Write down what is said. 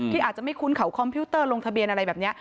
ที่อาจจะไม่คุ้นเขาคอมพิวเตอร์ลงทะเบียนอะไรแบบนี้